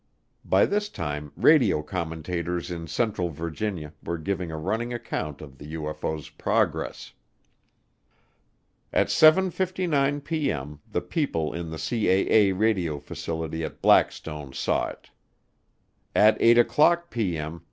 By this time radio commentators in central Virginia were giving a running account of the UFO's progress. At 7:59P.M. the people in the CAA radio facility at Blackstone saw it. At 8:00P.M.